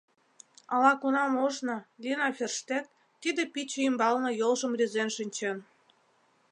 Ала-кунам ожно Лина Ферштег тиде пӱчӧ ӱмбалне йолжым рӱзен шинчен.